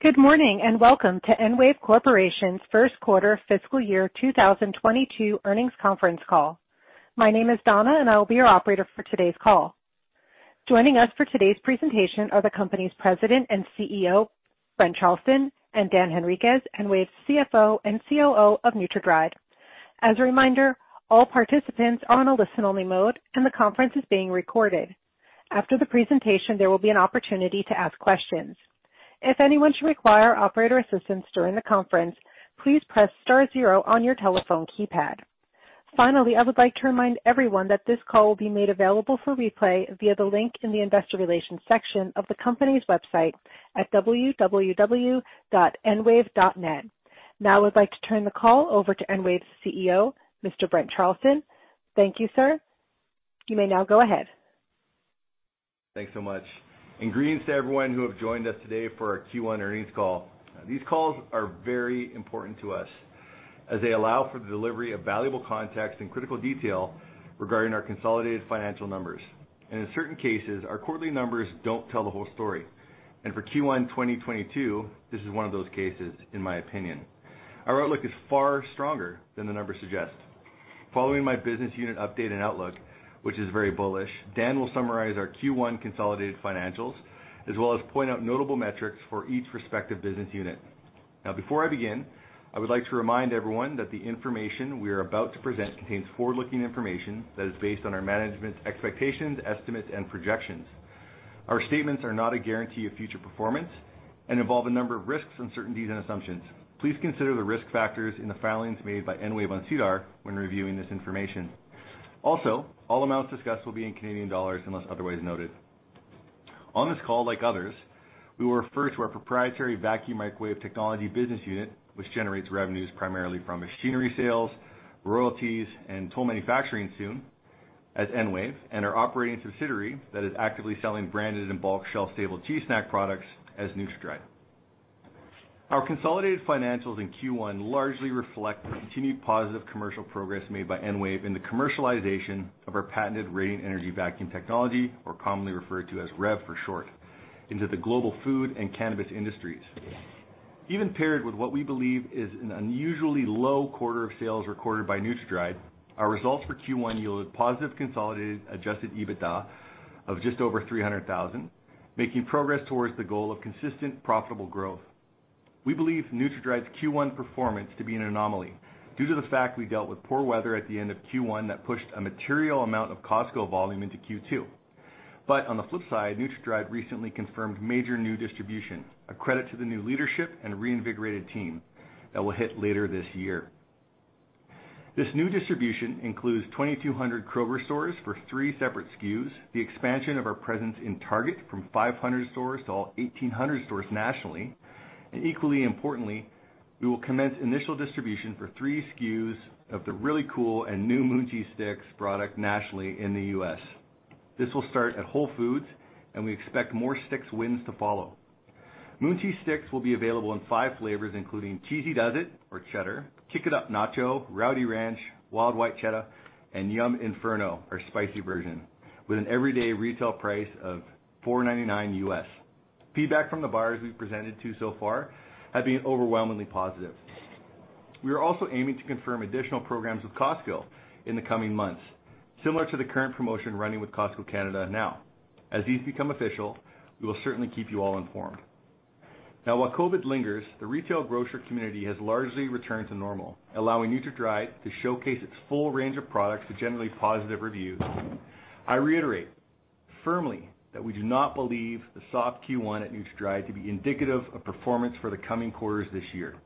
Good morning, and welcome to EnWave Corporation's first quarter fiscal year 2022 earnings conference call. My name is Donna, and I will be your operator for today's call. Joining us for today's presentation are the company's President and CEO, Brent Charleton, and Dan Henriques, EnWave's CFO and COO of NutraDried. As a reminder, all participants are on a listen-only mode and the conference is being recorded. After the presentation, there will be an opportunity to ask questions. If anyone should require operator assistance during the conference, please press star zero on your telephone keypad. Finally, I would like to remind everyone that this call will be made available for replay via the link in the investor relations section of the company's website at www.enwave.net. Now I would like to turn the call over to EnWave's CEO, Mr. Brent Charleton. Thank you, sir. You may now go ahead. Thanks so much. Greetings to everyone who have joined us today for our Q1 earnings call. These calls are very important to us as they allow for the delivery of valuable context and critical detail regarding our consolidated financial numbers. In certain cases, our quarterly numbers don't tell the whole story. For Q1 2022, this is one of those cases, in my opinion. Our outlook is far stronger than the numbers suggest. Following my business unit update and outlook, which is very bullish, Dan will summarize our Q1 consolidated financials, as well as point out notable metrics for each respective business unit. Now before I begin, I would like to remind everyone that the information we are about to present contains forward-looking information that is based on our management's expectations, estimates, and projections. Our statements are not a guarantee of future performance and involve a number of risks, uncertainties, and assumptions. Please consider the risk factors in the filings made by EnWave on SEDAR when reviewing this information. Also, all amounts discussed will be in Canadian dollars unless otherwise noted. On this call, like others, we will refer to our proprietary vacuum microwave technology business unit, which generates revenues primarily from machinery sales, royalties, and toll manufacturing as EnWave, and our operating subsidiary that is actively selling branded and bulk shelf-stable cheese snack products as NutraDried. Our consolidated financials in Q1 largely reflect the continued positive commercial progress made by EnWave in the commercialization of our patented radiant energy vacuum technology, or commonly referred to as REV for short, into the global food and cannabis industries. Even paired with what we believe is an unusually low quarter of sales recorded by NutraDried, our results for Q1 yielded positive consolidated adjusted EBITDA of just over 300,000, making progress towards the goal of consistent profitable growth. We believe NutraDried's Q1 performance to be an anomaly due to the fact we dealt with poor weather at the end of Q1 that pushed a material amount of Costco volume into Q2. On the flip side, NutraDried recently confirmed major new distribution, a credit to the new leadership and reinvigorated team that will hit later this year. This new distribution includes 2,200 Kroger stores for three separate SKUs, the expansion of our presence in Target from 500 stores to all 1,800 stores nationally, and equally importantly, we will commence initial distribution for three SKUs of the really cool and new Moon Cheese Sticks product nationally in the U.S. This will start at Whole Foods, and we expect more sticks wins to follow. Moon Cheese Sticks will be available in five flavors, including Cheesy Does It or cheddar, Kick It Up a Nacho, Rowdy Ranch, Wild White Cheddar, and Yum Inferno, our spicy version, with an everyday retail price of $4.99. Feedback from the buyers we've presented to so far have been overwhelmingly positive. We are also aiming to confirm additional programs with Costco in the coming months, similar to the current promotion running with Costco Canada now. As these become official, we will certainly keep you all informed. Now, while COVID lingers, the retail grocer community has largely returned to normal, allowing NutraDried to showcase its full range of products with generally positive reviews. I reiterate firmly that we do not believe the soft Q1 at NutraDried to be indicative of performance for the coming quarters this year.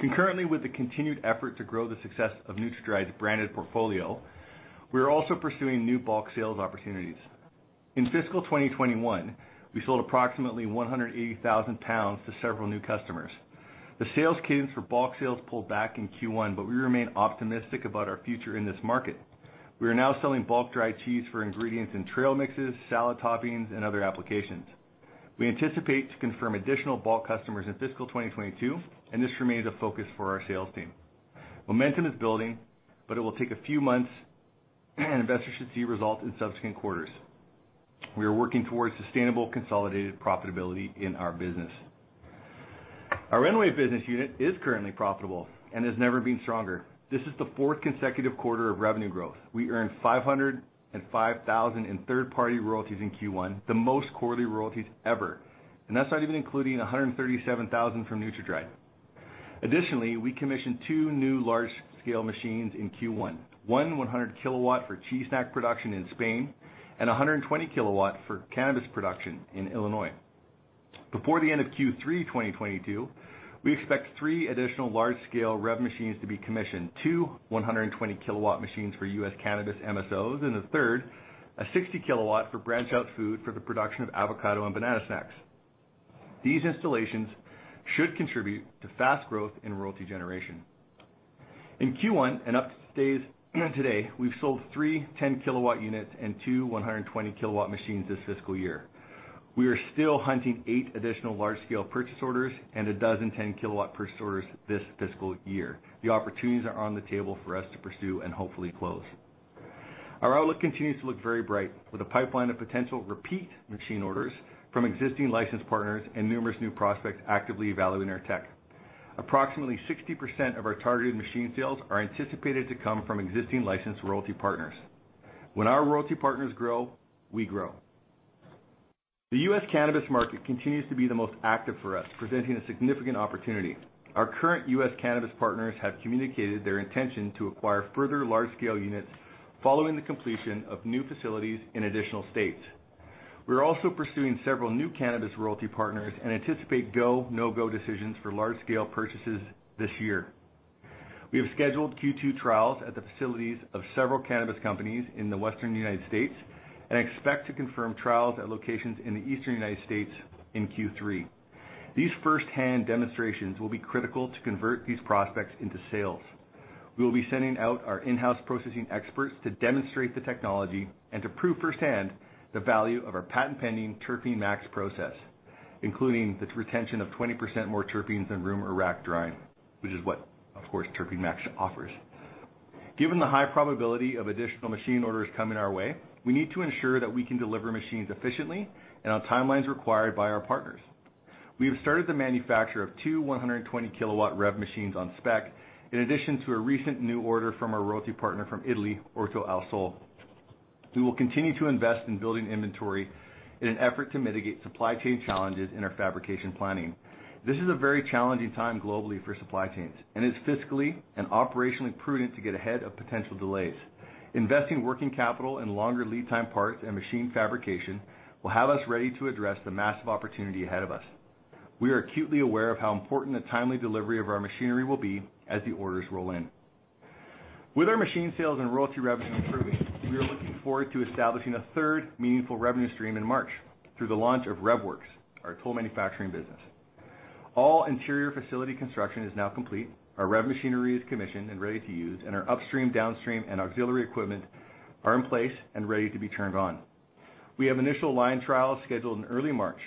Concurrently, with the continued effort to grow the success of NutraDried's branded portfolio, we are also pursuing new bulk sales opportunities. In fiscal 2021, we sold approximately 180,000 pounds to several new customers. The sales cadence for bulk sales pulled back in Q1, but we remain optimistic about our future in this market. We are now selling bulk dried cheese for ingredients in trail mixes, salad toppings, and other applications. We anticipate to confirm additional bulk customers in fiscal 2022, and this remains a focus for our sales team. Momentum is building, but it will take a few months, and investors should see results in subsequent quarters. We are working towards sustainable consolidated profitability in our business. Our EnWave business unit is currently profitable and has never been stronger. This is the fourth consecutive quarter of revenue growth. We earned 505,000 in third-party royalties in Q1, the most quarterly royalties ever, and that's not even including 137,000 from NutraDried. Additionally, we commissioned two new large-scale machines in Q1, one 100 kW for cheese snack production in Spain and a 120 kW for cannabis production in Illinois. Before the end of Q3 2022, we expect three additional large-scale REV machines to be commissioned, two 120 kW machines for U.S. cannabis MSOs, and a third, a 60 kW for BranchOut Food for the production of avocado and banana snacks. These installations should contribute to fast growth in royalty generation. In Q1 and up to today, we have sold three 10 kW units and two 120 kW machines this fiscal year. We are still hunting eight additional large-scale purchase orders and a dozen 10 kW purchase orders this fiscal year. The opportunities are on the table for us to pursue and hopefully close. Our outlook continues to look very bright with a pipeline of potential repeat machine orders from existing license partners and numerous new prospects actively evaluating our tech. Approximately 60% of our targeted machine sales are anticipated to come from existing licensed royalty partners. When our royalty partners grow, we grow. The U.S. cannabis market continues to be the most active for us, presenting a significant opportunity. Our current U.S. cannabis partners have communicated their intention to acquire further large-scale units following the completion of new facilities in additional states. We are also pursuing several new cannabis royalty partners and anticipate go, no-go decisions for large scale purchases this year. We have scheduled Q2 trials at the facilities of several cannabis companies in the Western United States and expect to confirm trials at locations in the Eastern United States in Q3. These first-hand demonstrations will be critical to convert these prospects into sales. We will be sending out our in-house processing experts to demonstrate the technology and to prove firsthand the value of our patent-pending Terpene Max process, including the retention of 20% more terpenes than room or rack drying, which is what, of course, Terpene Max offers. Given the high probability of additional machine orders coming our way, we need to ensure that we can deliver machines efficiently and on timelines required by our partners. We have started the manufacture of two 120 kW REV machines on spec in addition to a recent new order from our royalty partner from Italy, Orto Al Sole. We will continue to invest in building inventory in an effort to mitigate supply chain challenges in our fabrication planning. This is a very challenging time globally for supply chains, and it's fiscally and operationally prudent to get ahead of potential delays. Investing working capital in longer lead time parts and machine fabrication will have us ready to address the massive opportunity ahead of us. We are acutely aware of how important the timely delivery of our machinery will be as the orders roll in. With our machine sales and royalty revenue improving, we are looking forward to establishing a third meaningful revenue stream in March through the launch of REVworx, our toll manufacturing business. All interior facility construction is now complete. Our REV machinery is commissioned and ready to use, and our upstream, downstream, and auxiliary equipment are in place and ready to be turned on. We have initial line trials scheduled in early March.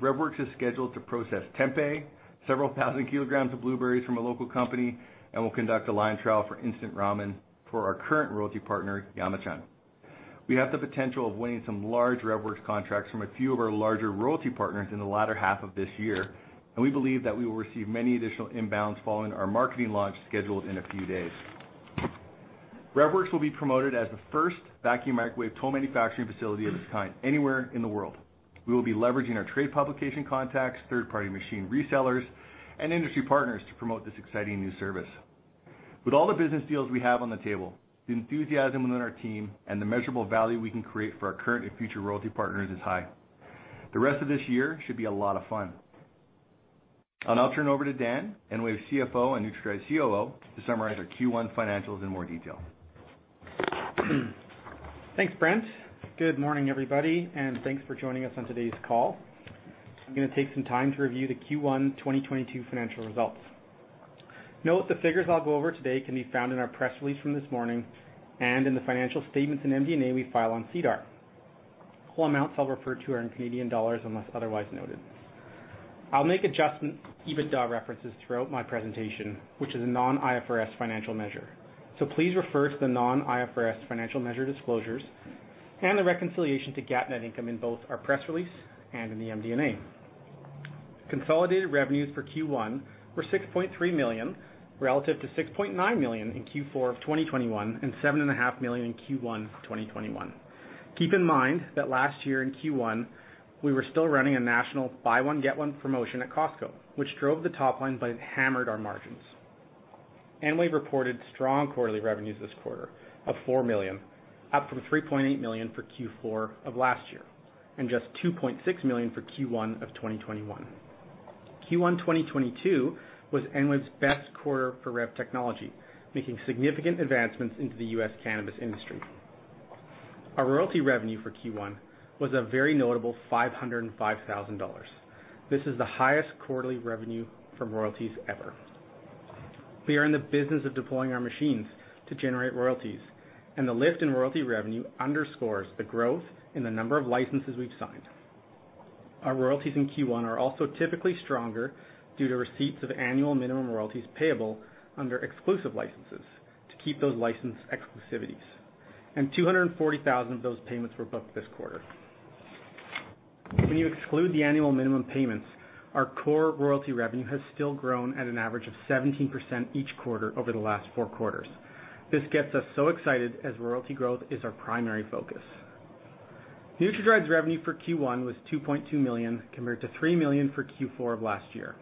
REVworx is scheduled to process tempeh, several thousand kilograms of blueberries from a local company, and will conduct a line trial for instant ramen for our current royalty partner, Yamachan. We have the potential of winning some large REVworx contracts from a few of our larger royalty partners in the latter half of this year, and we believe that we will receive many additional inbounds following our marketing launch scheduled in a few days. REVworx will be promoted as the first vacuum microwave toll manufacturing facility of its kind anywhere in the world. We will be leveraging our trade publication contacts, third-party machine resellers, and industry partners to promote this exciting new service. With all the business deals we have on the table, the enthusiasm within our team and the measurable value we can create for our current and future royalty partners is high. The rest of this year should be a lot of fun. I'll now turn over to Dan, EnWave CFO and NutraDried's COO, to summarize our Q1 financials in more detail. Thanks, Brent. Good morning, everybody, and thanks for joining us on today's call. I'm gonna take some time to review the Q1 2022 financial results. Note the figures I'll go over today can be found in our press release from this morning and in the financial statements in MD&A we file on SEDAR. All amounts I'll refer to are in Canadian dollars unless otherwise noted. I'll make adjusted EBITDA references throughout my presentation, which is a non-IFRS financial measure. Please refer to the non-IFRS financial measure disclosures and the reconciliation to GAAP net income in both our press release and in the MD&A. Consolidated revenues for Q1 were CAD 6.3 million, relative to CAD 6.9 million in Q4 of 2021 and CAD 7.5 million in Q1 2021. Keep in mind that last year in Q1, we were still running a national buy one get one promotion at Costco, which drove the top line but hammered our margins. EnWave reported strong quarterly revenues this quarter of 4 million, up from 3.8 million for Q4 of last year, and just 2.6 million for Q1 of 2021. Q1, 2022 was EnWave's best quarter for REV technology, making significant advancements into the U.S. cannabis industry. Our royalty revenue for Q1 was a very notable 505,000 dollars. This is the highest quarterly revenue from royalties ever. We are in the business of deploying our machines to generate royalties, and the lift in royalty revenue underscores the growth in the number of licenses we've signed. Our royalties in Q1 are also typically stronger due to receipts of annual minimum royalties payable under exclusive licenses to keep those license exclusivities, and 240,000 of those payments were booked this quarter. When you exclude the annual minimum payments, our core royalty revenue has still grown at an average of 17% each quarter over the last four quarters. This gets us so excited as royalty growth is our primary focus. NutraDried's revenue for Q1 was 2.2 million, compared to 3 million for Q4 of last year.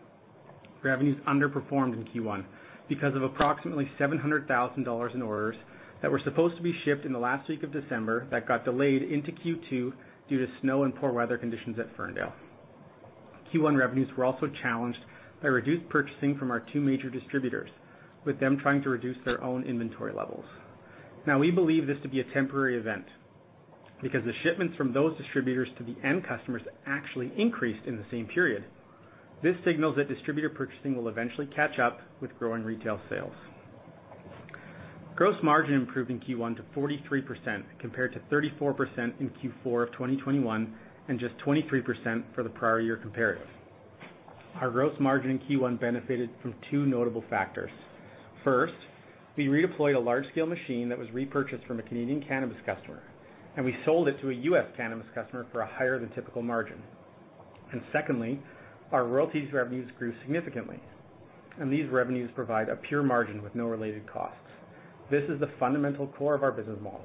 Revenues underperformed in Q1 because of approximately 700,000 dollars in orders that were supposed to be shipped in the last week of December that got delayed into Q2 due to snow and poor weather conditions at Ferndale. Q1 revenues were also challenged by reduced purchasing from our two major distributors, with them trying to reduce their own inventory levels. Now, we believe this to be a temporary event because the shipments from those distributors to the end customers actually increased in the same period. This signals that distributor purchasing will eventually catch up with growing retail sales. Gross margin improved in Q1 to 43%, compared to 34% in Q4 of 2021, and just 23% for the prior year comparison. Our gross margin in Q1 benefited from two notable factors. First, we redeployed a large-scale machine that was repurchased from a Canadian cannabis customer, and we sold it to a U.S. cannabis customer for a higher than typical margin. Secondly, our royalties revenues grew significantly, and these revenues provide a pure margin with no related costs. This is the fundamental core of our business model.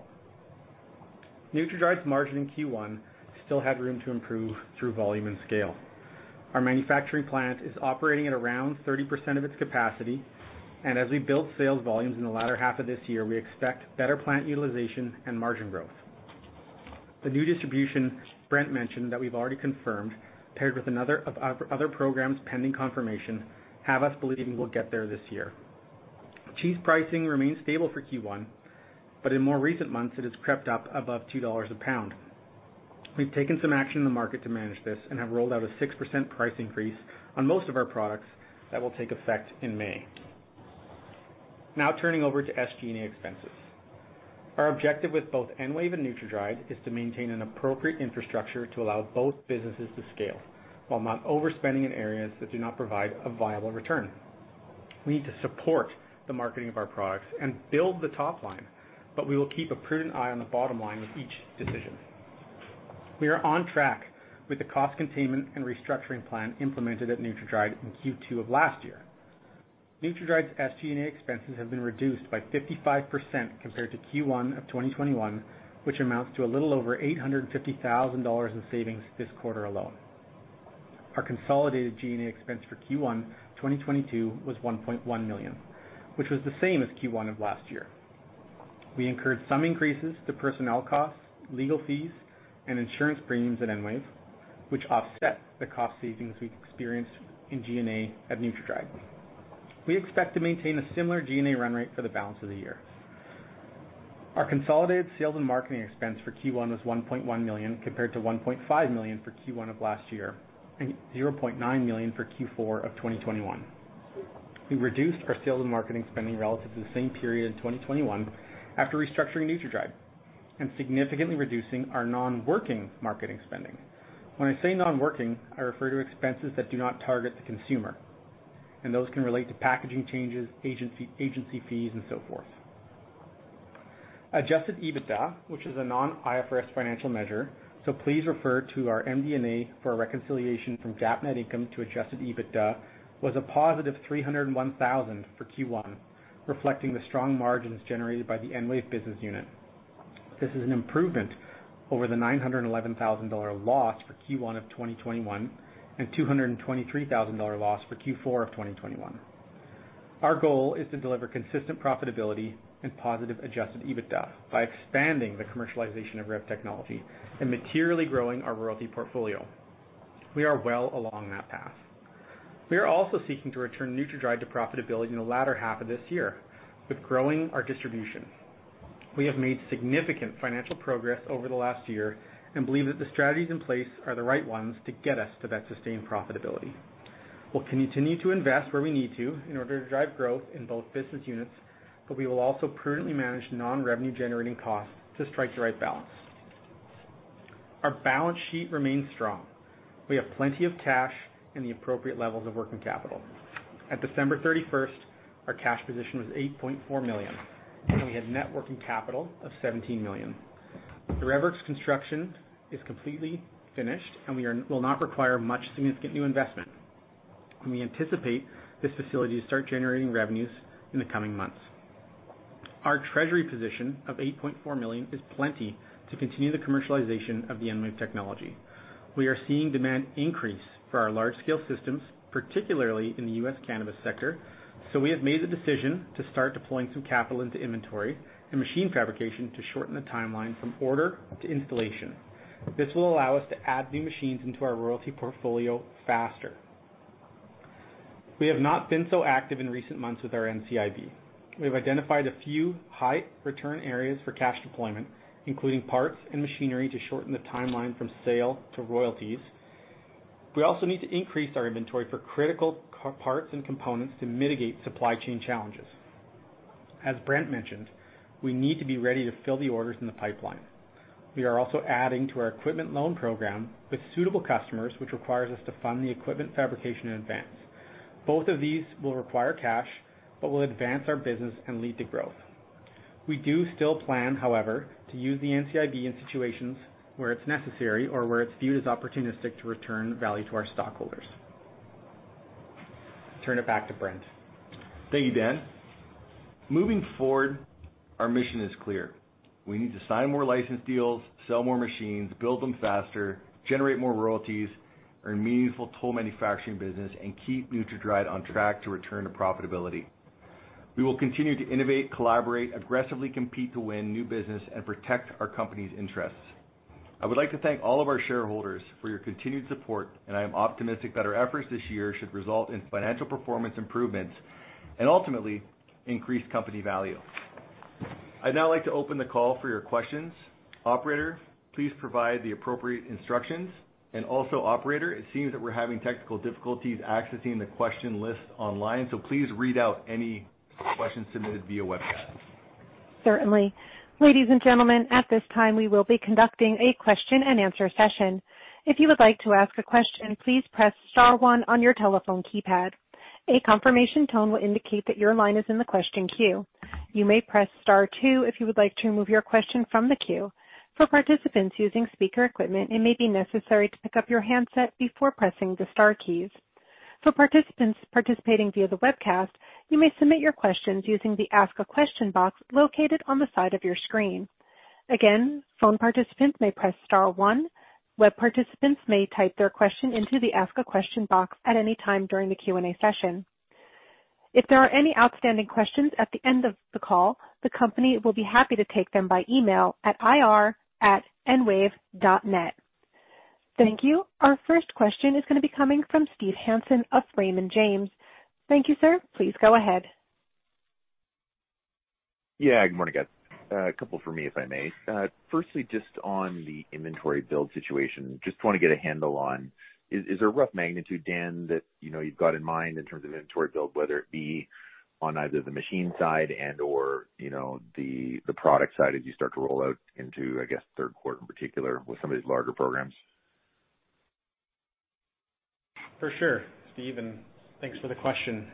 NutraDried's margin in Q1 still had room to improve through volume and scale. Our manufacturing plant is operating at around 30% of its capacity, and as we build sales volumes in the latter half of this year, we expect better plant utilization and margin growth. The new distribution Brent mentioned that we've already confirmed, paired with other programs pending confirmation, have us believing we'll get there this year. Cheese pricing remained stable for Q1, but in more recent months it has crept up above $2 a pound. We've taken some action in the market to manage this and have rolled out a 6% price increase on most of our products that will take effect in May. Now turning over to SG&A expenses. Our objective with both EnWave and NutraDried is to maintain an appropriate infrastructure to allow both businesses to scale while not overspending in areas that do not provide a viable return. We need to support the marketing of our products and build the top line, but we will keep a prudent eye on the bottom line with each decision. We are on track with the cost containment and restructuring plan implemented at NutraDried in Q2 of last year. NutraDried's SG&A expenses have been reduced by 55% compared to Q1 of 2021, which amounts to a little over 850,000 dollars in savings this quarter alone. Our consolidated G&A expense for Q1 2022 was 1.1 million, which was the same as Q1 of last year. We incurred some increases to personnel costs, legal fees, and insurance premiums at EnWave, which offset the cost savings we experienced in G&A at NutraDried. We expect to maintain a similar G&A run rate for the balance of the year. Our consolidated sales and marketing expense for Q1 was 1.1 million, compared to 1.5 million for Q1 of last year and 0.9 million for Q4 of 2021. We reduced our sales and marketing spending relative to the same period in 2021 after restructuring NutraDried and significantly reducing our non-working marketing spending. When I say non-working, I refer to expenses that do not target the consumer, and those can relate to packaging changes, agency fees and so forth. Adjusted EBITDA, which is a non-IFRS financial measure, so please refer to our MD&A for a reconciliation from GAAP net income to adjusted EBITDA, was a positive 301 thousand for Q1, reflecting the strong margins generated by the EnWave business unit. This is an improvement over the 911,000 dollar loss for Q1 of 2021 and 223,000 dollar loss for Q4 of 2021. Our goal is to deliver consistent profitability and positive adjusted EBITDA by expanding the commercialization of REV technology and materially growing our royalty portfolio. We are well along that path. We are also seeking to return NutraDried to profitability in the latter half of this year with growing our distribution. We have made significant financial progress over the last year and believe that the strategies in place are the right ones to get us to that sustained profitability. We'll continue to invest where we need to in order to drive growth in both business units, but we will also prudently manage non-revenue-generating costs to strike the right balance. Our balance sheet remains strong. We have plenty of cash and the appropriate levels of working capital. At December thirty-first, our cash position was 8.4 million, and we had net working capital of 17 million. The REVworx construction is completely finished, will not require much significant new investment. We anticipate this facility to start generating revenues in the coming months. Our treasury position of 8.4 million is plenty to continue the commercialization of the EnWave technology. We are seeing demand increase for our large-scale systems, particularly in the U.S. cannabis sector, so we have made the decision to start deploying some capital into inventory and machine fabrication to shorten the timeline from order to installation. This will allow us to add new machines into our royalty portfolio faster. We have not been so active in recent months with our NCIB. We've identified a few high-return areas for cash deployment, including parts and machinery to shorten the timeline from sale to royalties. We also need to increase our inventory for critical parts and components to mitigate supply chain challenges. As Brent mentioned, we need to be ready to fill the orders in the pipeline. We are also adding to our equipment loan program with suitable customers, which requires us to fund the equipment fabrication in advance. Both of these will require cash but will advance our business and lead to growth. We do still plan, however, to use the NCIB in situations where it's necessary or where it's viewed as opportunistic to return value to our stockholders. Turn it back to Brent. Thank you, Dan. Moving forward, our mission is clear. We need to sign more license deals, sell more machines, build them faster, generate more royalties, earn meaningful toll manufacturing business, and keep NutraDried on track to return to profitability. We will continue to innovate, collaborate, aggressively compete to win new business, and protect our company's interests. I would like to thank all of our shareholders for your continued support, and I am optimistic that our efforts this year should result in financial performance improvements and ultimately increased company value. I'd now like to open the call for your questions. Operator, please provide the appropriate instructions. Also, operator, it seems that we're having technical difficulties accessing the question list online, so please read out any questions submitted via webcast. Certainly. Ladies and gentlemen, at this time, we will be conducting a question and answer session. If you would like to ask a question, please press star one on your telephone keypad. A confirmation tone will indicate that your line is in the question queue. You may press star two if you would like to remove your question from the queue. For participants using speaker equipment, it may be necessary to pick up your handset before pressing the star keys. For participants participating via the webcast, you may submit your questions using the Ask a Question box located on the side of your screen. Again, phone participants may press star one. Web participants may type their question into the Ask a Question box at any time during the Q&A session. If there are any outstanding questions at the end of the call, the company will be happy to take them by email at ir@enwave.net. Thank you. Our first question is gonna be coming from Steve Hansen of Raymond James. Thank you, sir. Please go ahead. Yeah, good morning, guys. A couple for me, if I may. Firstly, just on the inventory build situation, just want to get a handle on, is there a rough magnitude, Dan, that, you know, you've got in mind in terms of inventory build, whether it be on either the machine side and/or, you know, the product side as you start to roll out into, I guess, third quarter in particular with some of these larger programs? For sure, Steve, and thanks for the question.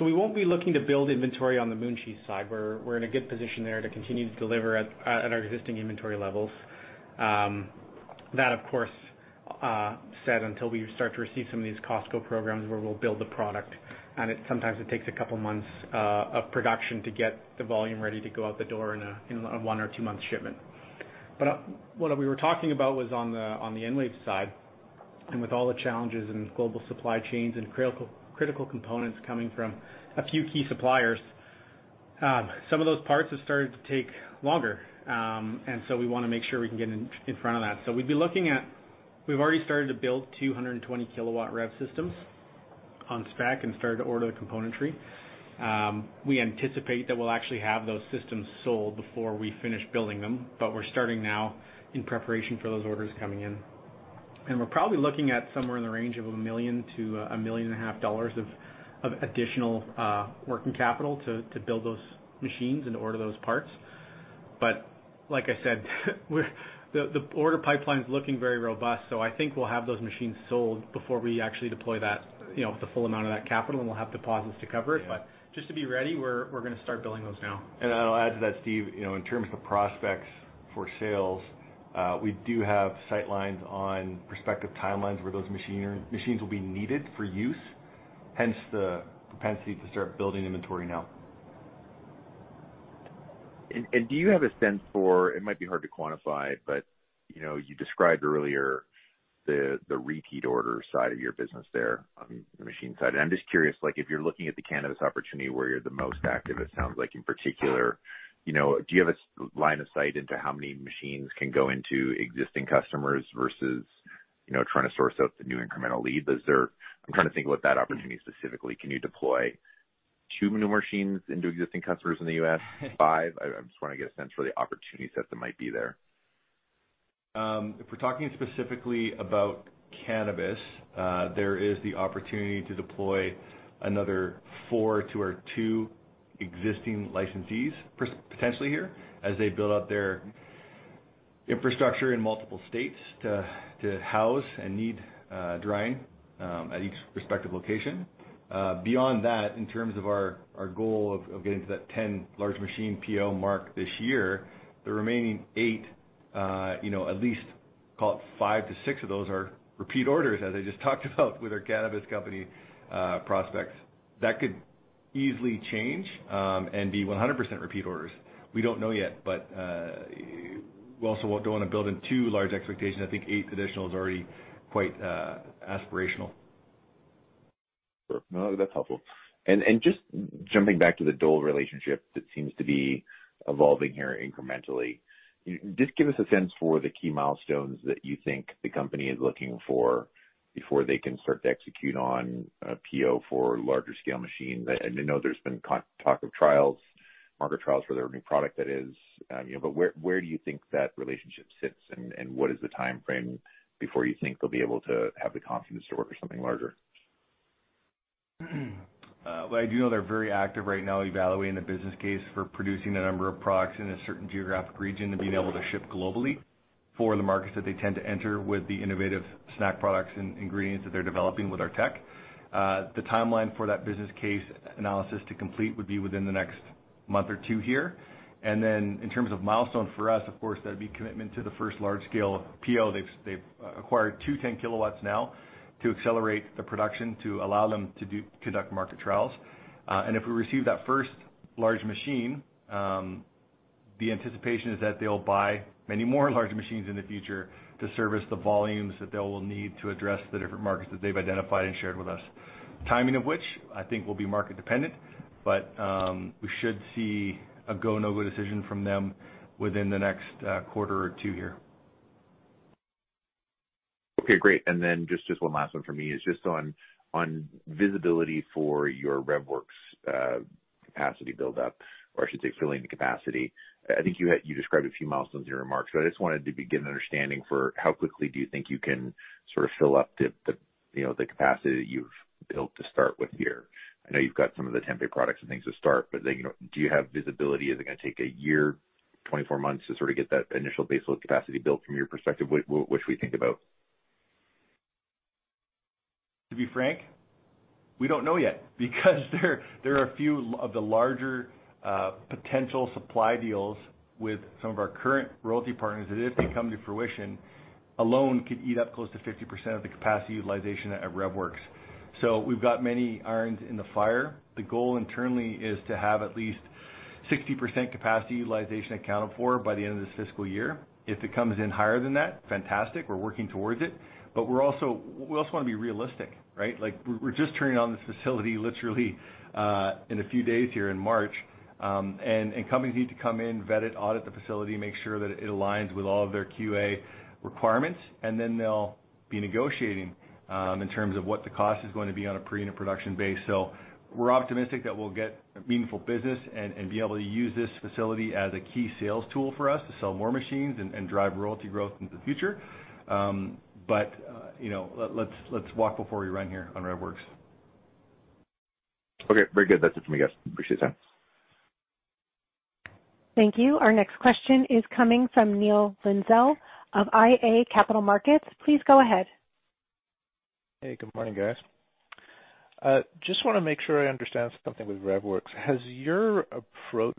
We won't be looking to build inventory on the Moon Cheese side. We're in a good position there to continue to deliver at our existing inventory levels. That, of course, said until we start to receive some of these Costco programs where we'll build the product, and it sometimes takes a couple months of production to get the volume ready to go out the door in a one- or two-month shipment. What we were talking about was on the EnWave side, and with all the challenges in global supply chains and critical components coming from a few key suppliers, some of those parts have started to take longer. We wanna make sure we can get in front of that. We'd be looking at. We've already started to build 220 kW REV systems on stack and started to order the componentry. We anticipate that we'll actually have those systems sold before we finish building them, but we're starting now in preparation for those orders coming in. We're probably looking at somewhere in the range of 1 million-1.5 million of additional working capital to build those machines and order those parts. Like I said, the order pipeline's looking very robust, so I think we'll have those machines sold before we actually deploy that, you know, the full amount of that capital, and we'll have deposits to cover it. Yeah. Just to be ready, we're gonna start building those now. I'll add to that, Steve, you know, in terms of prospects for sales, we do have sight lines on prospective timelines where those machines will be needed for use, hence the propensity to start building inventory now. Do you have a sense for, it might be hard to quantify, but you know, you described earlier the repeat order side of your business there on the machine side. I'm just curious, like if you're looking at the cannabis opportunity where you're the most active, it sounds like in particular, you know, do you have a line of sight into how many machines can go into existing customers versus, you know, trying to source out the new incremental lead? I'm trying to think about that opportunity specifically. Can you deploy two new machines into existing customers in the U.S.? Five? I'm just wanna get a sense for the opportunity set that might be there. If we're talking specifically about cannabis, there is the opportunity to deploy another four to our two existing licensees potentially here as they build out their infrastructure in multiple states to house and need drying at each respective location. Beyond that, in terms of our goal of getting to that 10 large machine PO mark this year, the remaining eight, you know, at least call it 5-6 of those are repeat orders, as I just talked about with our cannabis company prospects. That could easily change and be 100% repeat orders. We don't know yet, but we also won't go on and build in two large expectations. I think eight additional is already quite aspirational. Sure. No, that's helpful. Just jumping back to the Dole relationship that seems to be evolving here incrementally, just give us a sense for the key milestones that you think the company is looking for before they can start to execute on a PO for larger scale machines. I know there's been talk of trials, market trials for their new product that is, you know. But where do you think that relationship sits, and what is the timeframe before you think they'll be able to have the confidence to order something larger? Well, I do know they're very active right now evaluating the business case for producing a number of products in a certain geographic region and being able to ship globally for the markets that they tend to enter with the innovative snack products and ingredients that they're developing with our tech. The timeline for that business case analysis to complete would be within the next month or two here. In terms of milestone for us, of course, that'd be commitment to the first large scale PO. They've acquired two 10 kW now to accelerate the production to allow them to conduct market trials. If we receive that first large machine, the anticipation is that they'll buy many more large machines in the future to service the volumes that they will need to address the different markets that they've identified and shared with us. Timing of which I think will be market dependent, but we should see a go, no-go decision from them within the next quarter or two here. Okay, great. Just one last one for me is just on visibility for your REVworx capacity buildup, or I should say filling the capacity. I think you described a few milestones in your remarks, but I just wanted to get an understanding for how quickly do you think you can sort of fill up the capacity that you've built to start with here. I know you've got some of the tempeh products and things to start. You know, do you have visibility? Is it gonna take a year? 24 months to sort of get that initial baseload capacity built from your perspective, what should we think about? To be frank, we don't know yet because there are a few of the larger potential supply deals with some of our current royalty partners that if they come to fruition alone could eat up close to 50% of the capacity utilization at REVworx. We've got many irons in the fire. The goal internally is to have at least 60% capacity utilization accounted for by the end of this fiscal year. If it comes in higher than that, fantastic. We're working towards it. We also wanna be realistic, right? Like, we're just turning on this facility literally in a few days here in March. Companies need to come in, vet it, audit the facility, make sure that it aligns with all of their QA requirements, and then they'll be negotiating in terms of what the cost is going to be on a pre and a production base. We're optimistic that we'll get meaningful business and be able to use this facility as a key sales tool for us to sell more machines and drive royalty growth into the future. You know, let's walk before we run here on REVworx. Okay. Very good. That's it for me, guys. Appreciate the time. Thank you. Our next question is coming from Neil Linsdell of iA Capital Markets. Please go ahead. Hey, good morning, guys. Just wanna make sure I understand something with REVworx. Has your approach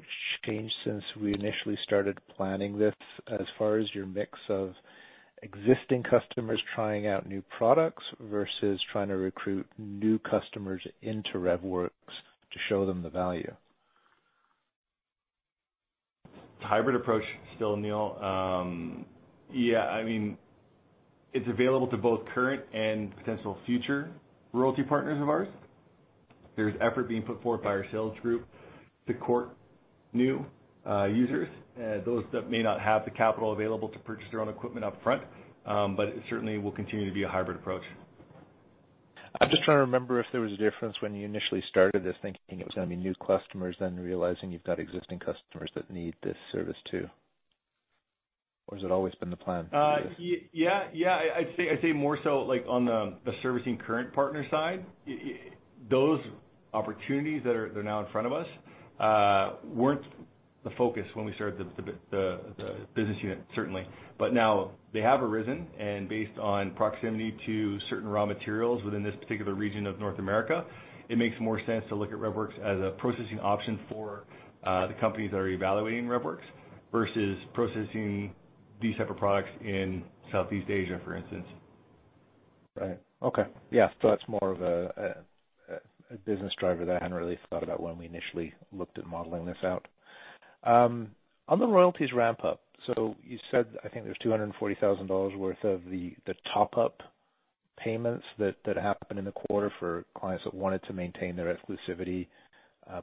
changed since we initially started planning this as far as your mix of existing customers trying out new products versus trying to recruit new customers into REVworx to show them the value? It's a hybrid approach still, Neil. It's available to both current and potential future royalty partners of ours. There's effort being put forth by our sales group to court new users, those that may not have the capital available to purchase their own equipment up front. It certainly will continue to be a hybrid approach. I'm just trying to remember if there was a difference when you initially started this thinking it was gonna be new customers then realizing you've got existing customers that need this service too. Or has it always been the plan? Yeah. I'd say more so like on the servicing current partner side. Those opportunities that are now in front of us weren't the focus when we started the business unit, certainly. Now they have arisen and based on proximity to certain raw materials within this particular region of North America, it makes more sense to look at REVworx as a processing option for the companies that are evaluating REVworx versus processing these type of products in Southeast Asia, for instance. Right. Okay. Yeah. That's more of a business driver that I hadn't really thought about when we initially looked at modeling this out. On the royalties ramp up, you said I think there's 240,000 dollars worth of the top up payments that happened in the quarter for clients that wanted to maintain their exclusivity,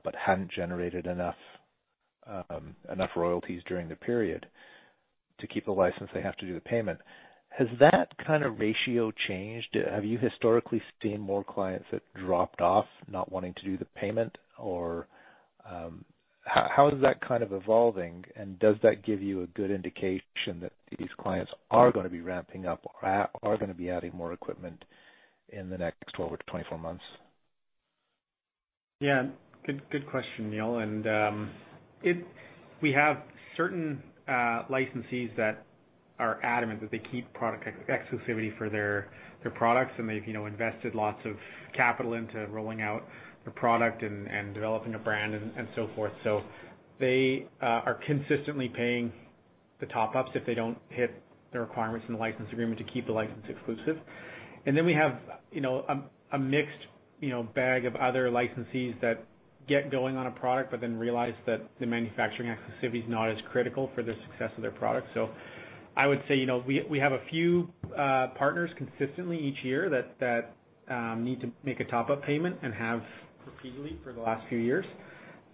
but hadn't generated enough royalties during the period. To keep the license, they have to do the payment. Has that kind of ratio changed? Have you historically seen more clients that dropped off not wanting to do the payment? Or, how is that kind of evolving, and does that give you a good indication that these clients are gonna be ramping up or are gonna be adding more equipment in the next 12-24 months? Yeah. Good question, Neil. We have certain licensees that are adamant that they keep product exclusivity for their products, and they've you know invested lots of capital into rolling out the product and developing a brand and so forth. They are consistently paying the top ups if they don't hit the requirements in the license agreement to keep the license exclusive. We have a mixed you know bag of other licensees that get going on a product but then realize that the manufacturing exclusivity is not as critical for the success of their product. I would say, you know, we have a few partners consistently each year that need to make a top up payment and have repeatedly for the last few years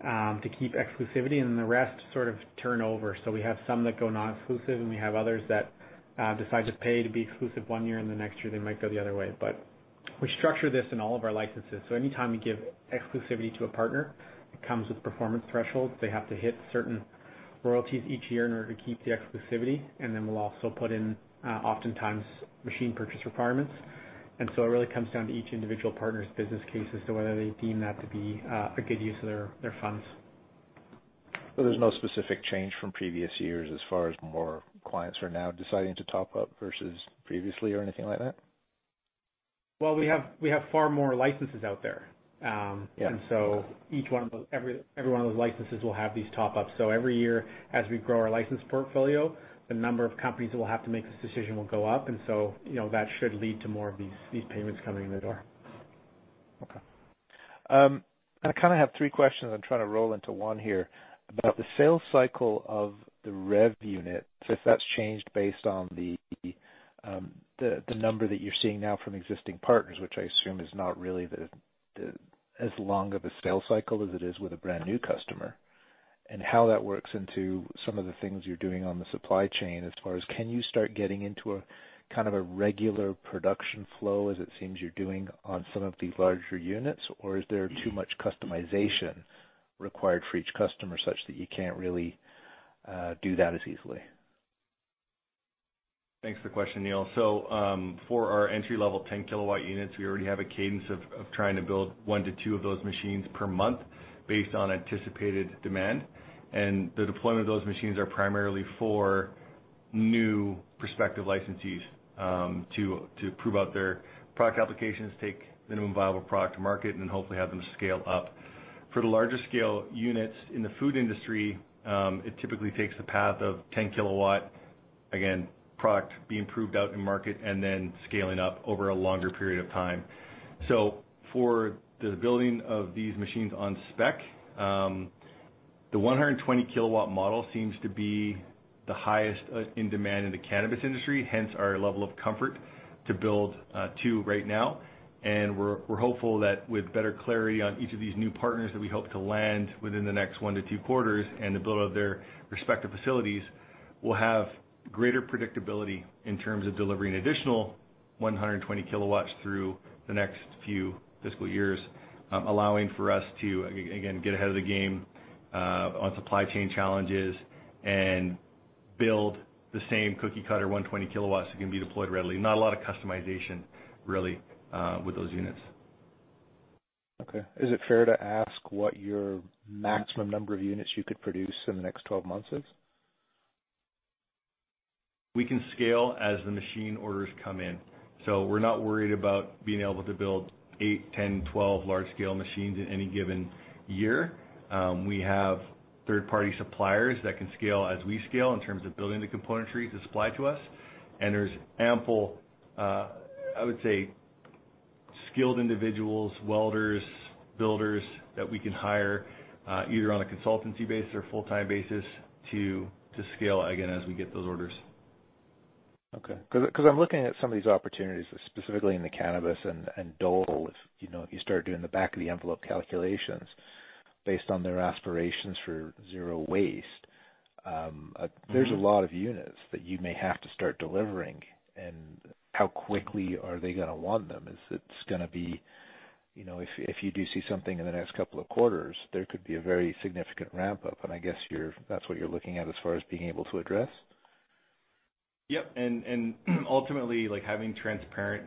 to keep exclusivity, and the rest sort of turn over. We have some that go non-exclusive, and we have others that decide to pay to be exclusive one year, and the next year they might go the other way. We structure this in all of our licenses. Anytime we give exclusivity to a partner, it comes with performance thresholds. They have to hit certain royalties each year in order to keep the exclusivity, and then we'll also put in oftentimes machine purchase requirements. It really comes down to each individual partner's business case as to whether they deem that to be a good use of their funds. there's no specific change from previous years as far as more clients are now deciding to top up versus previously or anything like that? Well, we have far more licenses out there. Yeah. Each one of those, every one of those licenses will have these top ups. Every year, as we grow our license portfolio, the number of companies that will have to make this decision will go up. You know, that should lead to more of these payments coming in the door. Okay. I kinda have three questions I'm trying to roll into one here. About the sales cycle of the REV unit, if that's changed based on the number that you're seeing now from existing partners, which I assume is not really the as long of a sales cycle as it is with a brand new customer, and how that works into some of the things you're doing on the supply chain as far as can you start getting into a kind of a regular production flow as it seems you're doing on some of the larger units? Or is there too much customization required for each customer such that you can't really do that as easily? Thanks for the question, Neil. For our entry-level 10 kW units, we already have a cadence of trying to build 1-2 of those machines per month based on anticipated demand. The deployment of those machines are primarily for new prospective licensees to prove out their product applications, take minimum viable product to market, and hopefully have them scale up. For the larger scale units in the food industry, it typically takes the path of 10 kW, again, product being proved out in market and then scaling up over a longer period of time. For the building of these machines on spec, the 120 kW model seems to be the highest in demand in the cannabis industry, hence our level of comfort to build two right now. We're hopeful that with better clarity on each of these new partners that we hope to land within the next 1-2 quarters and the build out of their respective facilities, we'll have greater predictability in terms of delivering additional 100 kW through the next few fiscal years, allowing for us to again get ahead of the game on supply chain challenges and build the same cookie cutter 120 kW that can be deployed readily. Not a lot of customization really, with those units. Okay. Is it fair to ask what your maximum number of units you could produce in the next 12 months is? We can scale as the machine orders come in, so we're not worried about being able to build eight, 10, 12 large scale machines in any given year. We have third party suppliers that can scale as we scale in terms of building the componentry to supply to us. There's ample, I would say skilled individuals, welders, builders that we can hire, either on a consultancy basis or full-time basis to scale, again, as we get those orders. Okay. 'Cause I'm looking at some of these opportunities, specifically in the cannabis and Dole. You know, if you start doing the back of the envelope calculations based on their aspirations for zero waste. Mm-hmm. There's a lot of units that you may have to start delivering. How quickly are they gonna want them? Is it gonna be? You know, if you do see something in the next couple of quarters, there could be a very significant ramp up, and I guess that's what you're looking at as far as being able to address. Yep. Ultimately, like, having transparent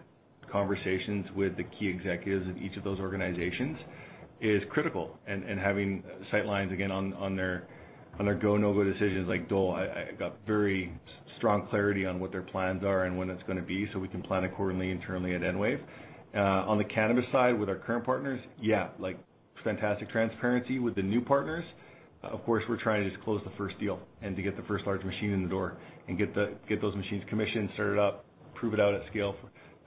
conversations with the key executives of each of those organizations is critical. Having sight lines again on their go, no-go decisions. Like Dole, I got very strong clarity on what their plans are and when it's gonna be so we can plan accordingly internally at EnWave. On the cannabis side with our current partners, yeah, like, fantastic transparency. With the new partners, of course, we're trying to just close the first deal and to get the first large machine in the door and get those machines commissioned, started up, prove it out at scale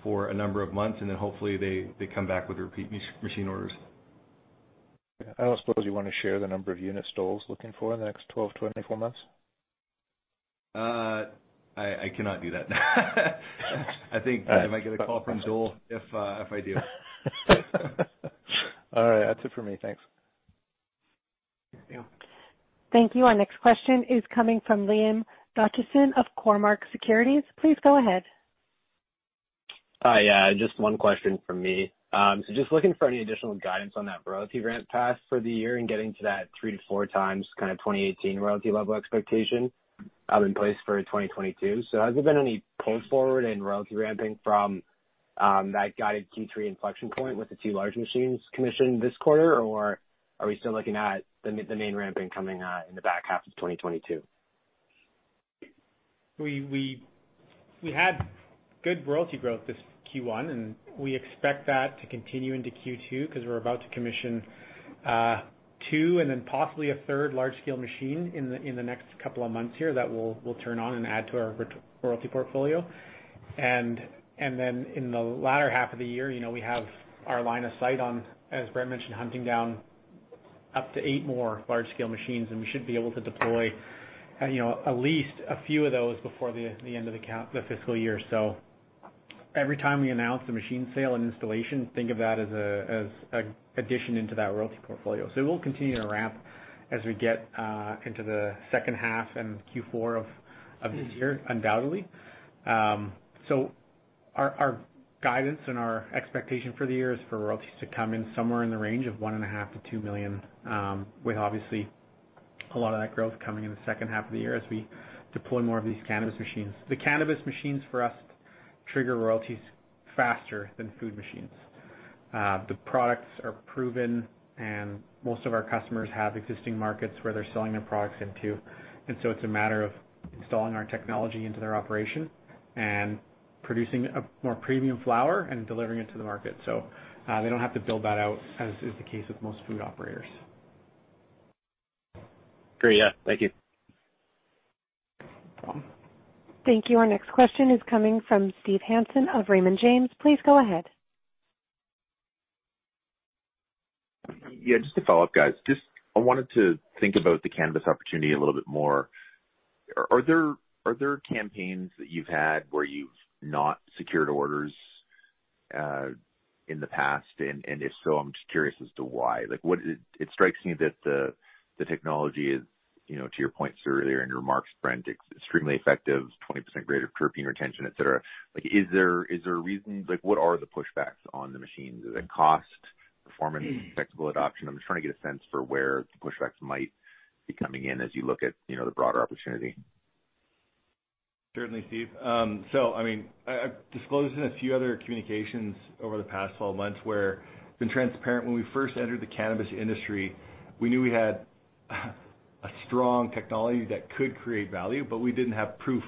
for a number of months, and then hopefully they come back with repeat machine orders. I don't suppose you wanna share the number of units Dole's looking for in the next 12-24 months? I cannot do that. I think I might get a call from Dole if I do. All right, that's it for me. Thanks. Yeah. Thank you. Our next question is coming from Liam Cuthbertson of Cormark Securities. Please go ahead. Hi. Yeah, just one question from me. Just looking for any additional guidance on that royalty ramp path for the year and getting to that 3-4 times kinda 2018 royalty level expectation in place for 2022. Has there been any pull forward in royalty ramping from that guided Q3 inflection point with the two large machines commissioned this quarter? Or are we still looking at the main ramping coming in the back half of 2022? We had good royalty growth this Q1, and we expect that to continue into Q2 'cause we're about to commission two and then possibly a third large scale machine in the next couple of months here that we'll turn on and add to our royalty portfolio. Then in the latter half of the year, you know, we have our line of sight on, as Brent mentioned, hunting down up to eight more large scale machines. We should be able to deploy, you know, at least a few of those before the end of the fiscal year. Every time we announce the machine sale and installation, think of that as an addition into that royalty portfolio. It will continue to ramp as we get into the second half and Q4 of this year, undoubtedly. Our guidance and our expectation for the year is for royalties to come in somewhere in the range of 1.5 million-2 million, with obviously a lot of that growth coming in the second half of the year as we deploy more of these cannabis machines. The cannabis machines for us trigger royalties faster than food machines. The products are proven, and most of our customers have existing markets where they're selling their products into, and it's a matter of installing our technology into their operation and producing a more premium flower and delivering it to the market. They don't have to build that out, as is the case with most food operators. Great. Yeah. Thank you. No problem. Thank you. Our next question is coming from Steve Hansen of Raymond James. Please go ahead. Yeah, just to follow up, guys. I wanted to think about the cannabis opportunity a little bit more. Are there campaigns that you've had where you've not secured orders in the past? If so, I'm just curious as to why. Like, what is it? It strikes me that the technology is, you know, to your point, sir, earlier in your remarks, Brent, extremely effective, 20% greater terpene retention, et cetera. Like, is there reasons? Like, what are the pushbacks on the machines? Is it cost? Performance, technical adoption. I'm just trying to get a sense for where the pushbacks might be coming in as you look at, you know, the broader opportunity. Certainly, Steve. I mean, I've disclosed in a few other communications over the past 12 months where it's been transparent. When we first entered the cannabis industry, we knew we had a strong technology that could create value, but we didn't have proof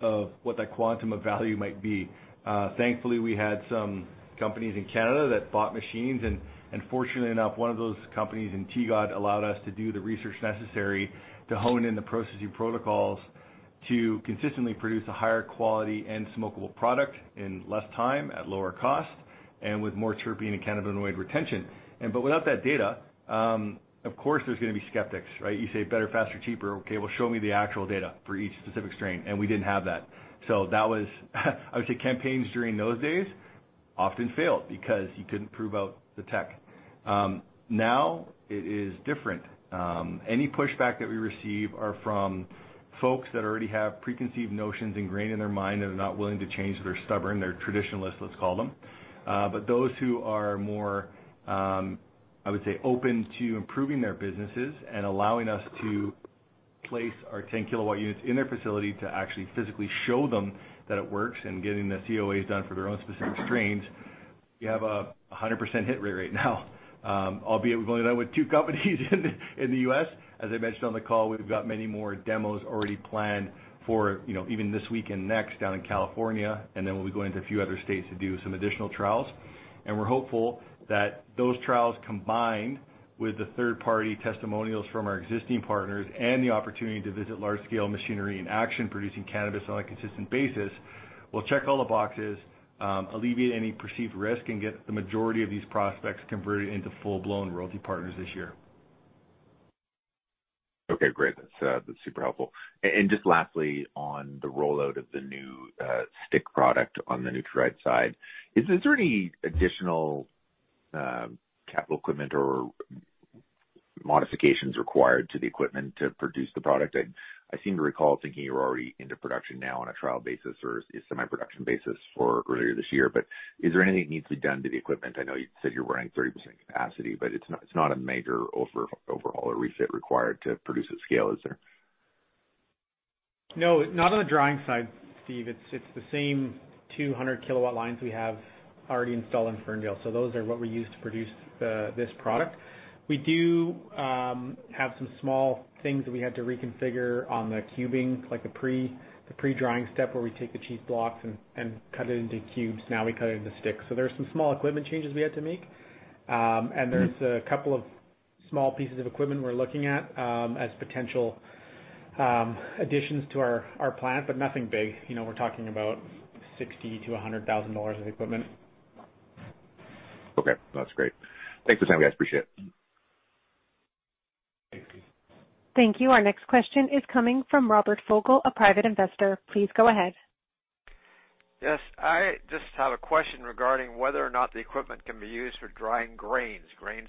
of what that quantum of value might be. Thankfully, we had some companies in Canada that bought machines, and fortunately enough, one of those companies in TGOD allowed us to do the research necessary to hone in the processing protocols to consistently produce a higher quality and smokable product in less time, at lower cost, and with more terpene and cannabinoid retention. Without that data, of course, there's gonna be skeptics, right? You say better, faster, cheaper. Okay, well, show me the actual data for each specific strain. We didn't have that. That was, I would say campaigns during those days often failed because you couldn't prove out the tech. Now it is different. Any pushback that we receive are from folks that already have preconceived notions ingrained in their mind that are not willing to change. They're stubborn. They're traditionalists, let's call them. Those who are more, I would say, open to improving their businesses and allowing us to place our 10 kW units in their facility to actually physically show them that it works and getting the COAs done for their own specific strains, we have a 100% hit rate right now. Albeit we've only done it with two companies in the U.S. As I mentioned on the call, we've got many more demos already planned for, you know, even this week and next down in California. Then we'll be going to a few other states to do some additional trials. We're hopeful that those trials, combined with the third-party testimonials from our existing partners and the opportunity to visit large-scale machinery in action, producing cannabis on a consistent basis, will check all the boxes, alleviate any perceived risk, and get the majority of these prospects converted into full-blown royalty partners this year. Okay, great. That's super helpful. Just lastly, on the rollout of the new stick product on the NutraDried side, is there any additional capital equipment or modifications required to the equipment to produce the product? I seem to recall thinking you're already into production now on a trial basis or a semi-production basis for earlier this year, but is there anything that needs to be done to the equipment? I know you said you're running 30% capacity, but it's not a major overall refit required to produce at scale, is there? No, not on the drying side, Steve. It's the same 200 kW lines we have already installed in Ferndale. Those are what we use to produce this product. We do have some small things that we had to reconfigure on the cubing, like the pre-drying step where we take the cheese blocks and cut it into cubes. Now we cut it into sticks. There are some small equipment changes we had to make. There's a couple of small pieces of equipment we're looking at as potential additions to our plant, but nothing big. You know, we're talking about $60,000-$100,000 of equipment. Okay, that's great. Thanks for the time, guys. Appreciate it. Thanks, Steve. Thank you. Our next question is coming from Robert Fogel, a private investor. Please go ahead. Yes. I just have a question regarding whether or not the equipment can be used for drying grains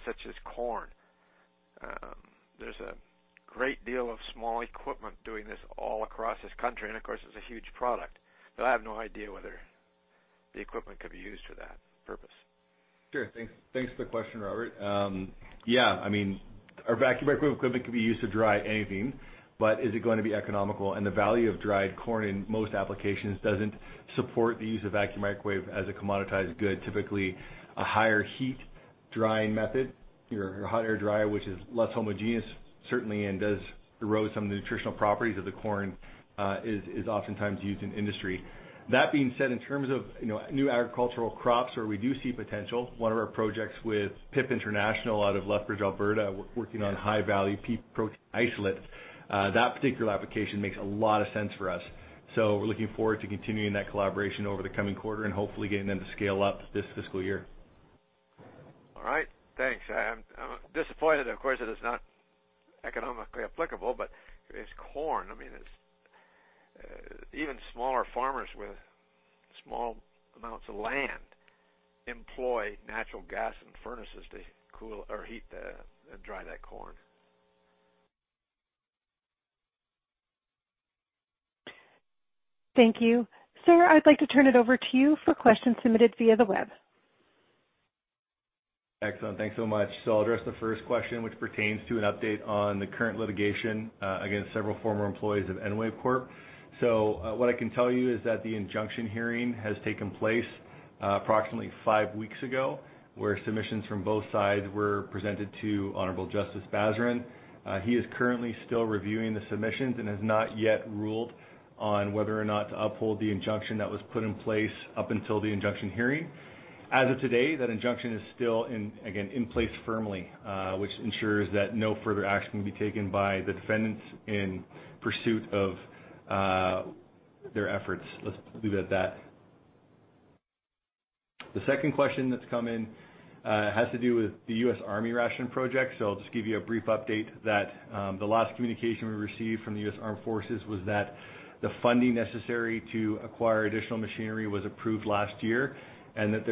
such as corn. There's a great deal of small equipment doing this all across this country, and of course, it's a huge product. I have no idea whether the equipment could be used for that purpose. Sure. Thanks for the question, Robert. Yeah, I mean, our vacuum microwave equipment could be used to dry anything, but is it going to be economical? The value of dried corn in most applications doesn't support the use of vacuum microwave as a commoditized good. Typically, a higher heat drying method, your hot air dryer, which is less homogeneous certainly, and does erode some of the nutritional properties of the corn, is oftentimes used in industry. That being said, in terms of, you know, new agricultural crops where we do see potential, one of our projects with PIP International out of Lethbridge, Alberta, working on high value pea protein isolate, that particular application makes a lot of sense for us. We're looking forward to continuing that collaboration over the coming quarter and hopefully getting them to scale up this fiscal year. All right, thanks. I'm disappointed, of course, that it's not economically applicable, but it's corn. I mean, it's even smaller farmers with small amounts of land employ natural gas and furnaces to cool or heat and dry that corn. Thank you. Sir, I'd like to turn it over to you for questions submitted via the web. Excellent. Thanks so much. I'll address the first question, which pertains to an update on the current litigation against several former employees of EnWave Corp. What I can tell you is that the injunction hearing has taken place approximately five weeks ago, where submissions from both sides were presented to Honorable Justice Basran. He is currently still reviewing the submissions and has not yet ruled on whether or not to uphold the injunction that was put in place up until the injunction hearing. As of today, that injunction is still in place firmly, which ensures that no further action can be taken by the defendants in pursuit of their efforts. Let's leave it at that. The second question that's come in has to do with the U.S. Army ration project. I'll just give you a brief update that the last communication we received from the U.S. Armed Forces was that the funding necessary to acquire additional machinery was approved last year, and that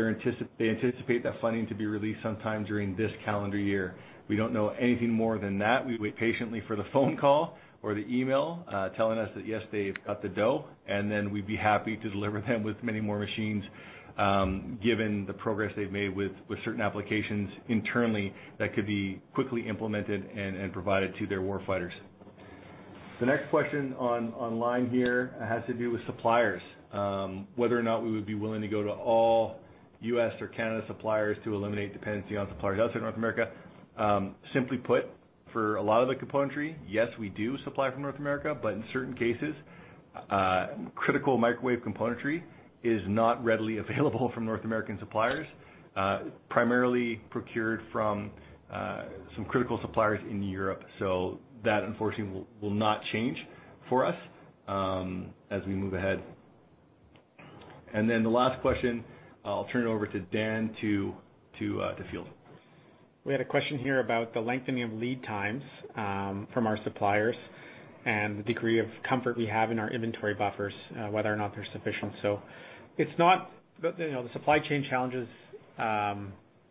they anticipate that funding to be released sometime during this calendar year. We don't know anything more than that. We wait patiently for the phone call or the email telling us that, yes, they've got the dough, and then we'd be happy to deliver them with many more machines, given the progress they've made with certain applications internally that could be quickly implemented and provided to their war fighters. The next question on line here has to do with suppliers. Whether or not we would be willing to go to all U.S. or Canada suppliers to eliminate dependency on suppliers outside North America. Simply put, for a lot of the componentry, yes, we do supply from North America, but in certain cases, critical microwave componentry is not readily available from North American suppliers. Primarily procured from some critical suppliers in Europe. That unfortunately will not change for us as we move ahead. Then the last question, I'll turn it over to Dan to field. We had a question here about the lengthening of lead times from our suppliers and the degree of comfort we have in our inventory buffers whether or not they're sufficient. It's not, you know, the supply chain challenges.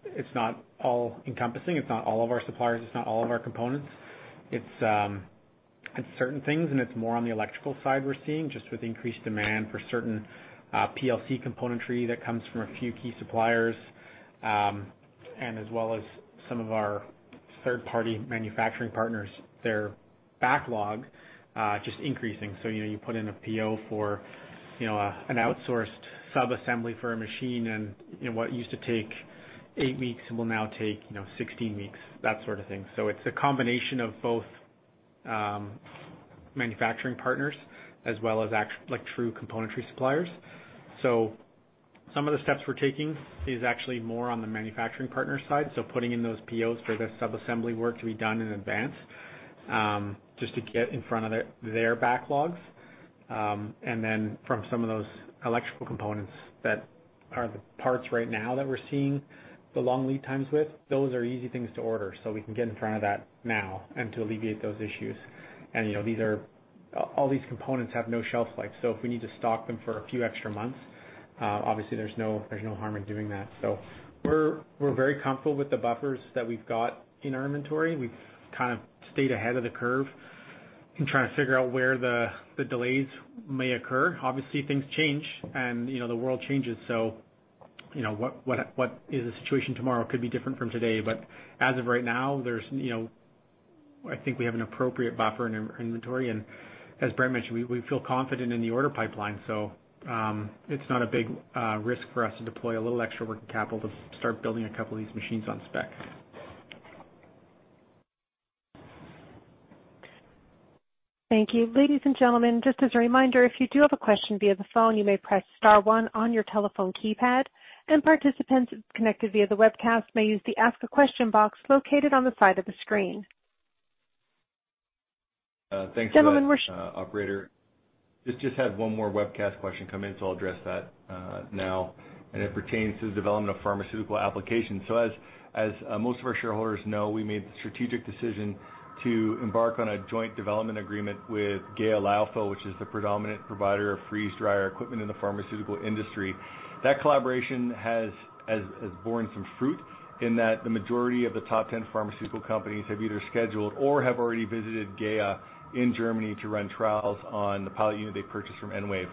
It's not all encompassing. It's not all of our suppliers, it's not all of our components. It's certain things, and it's more on the electrical side we're seeing just with increased demand for certain PLC componentry that comes from a few key suppliers and as well as some of our third-party manufacturing partners, their backlog just increasing. You know, you put in a PO for, you know, an outsourced sub-assembly for a machine, and, you know, what used to take eight weeks will now take, you know, 16 weeks, that sort of thing. It's a combination of both, manufacturing partners as well as like, true componentry suppliers. Some of the steps we're taking is actually more on the manufacturing partner side. Putting in those POs for the sub-assembly work to be done in advance, just to get in front of their backlogs. And then from some of those electrical components that are the parts right now that we're seeing the long lead times with, those are easy things to order, so we can get in front of that now and to alleviate those issues. And, you know, all these components have no shelf life, so if we need to stock them for a few extra months, obviously there's no harm in doing that. We're very comfortable with the buffers that we've got in our inventory. We've kind of stayed ahead of the curve in trying to figure out where the delays may occur. Obviously, things change and, you know, the world changes, so, you know, what is the situation tomorrow could be different from today. As of right now, there's, you know, I think we have an appropriate buffer in our inventory. As Brent mentioned, we feel confident in the order pipeline, so it's not a big risk for us to deploy a little extra working capital to start building a couple of these machines on spec. Thank you. Ladies and gentlemen, just as a reminder, if you do have a question via the phone, you may press star one on your telephone keypad, and participants connected via the webcast may use the ask a question box located on the side of the screen. Thanks for that. Gentlemen, we're. Operator. Just had one more webcast question come in, so I'll address that now, and it pertains to the development of pharmaceutical applications. As most of our shareholders know, we made the strategic decision to embark on a joint development agreement with GEA Lyophil, which is the predominant provider of freeze dryer equipment in the pharmaceutical industry. That collaboration has borne some fruit in that the majority of the top ten pharmaceutical companies have either scheduled or have already visited GEA in Germany to run trials on the pilot unit they purchased from EnWave.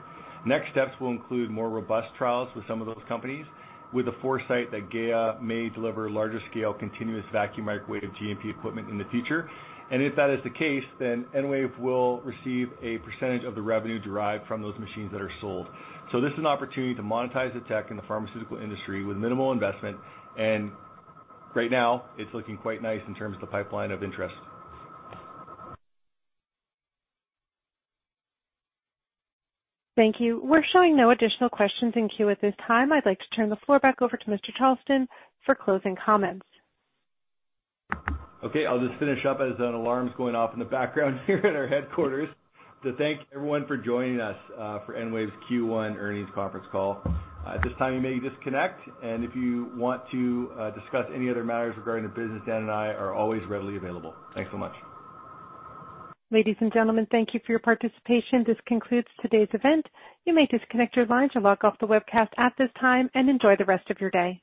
Next steps will include more robust trials with some of those companies, with the foresight that GEA may deliver larger scale continuous vacuum microwave GMP equipment in the future. If that is the case, then EnWave will receive a percentage of the revenue derived from those machines that are sold. This is an opportunity to monetize the tech in the pharmaceutical industry with minimal investment. Right now, it's looking quite nice in terms of the pipeline of interest. Thank you. We're showing no additional questions in queue at this time. I'd like to turn the floor back over to Mr. Charleton for closing comments. Okay, I'll just finish up as an alarm's going off in the background here at our headquarters. I want to thank everyone for joining us for EnWave's Q1 earnings conference call. At this time, you may disconnect, and if you want to discuss any other matters regarding the business, Dan and I are always readily available. Thanks so much. Ladies and gentlemen, thank you for your participation. This concludes today's event. You may disconnect your lines or log off the webcast at this time, and enjoy the rest of your day.